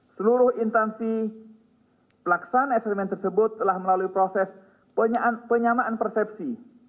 seluruh intansi pelaksanaan ekstremen tersebut telah melalui proses penyamaan persepsi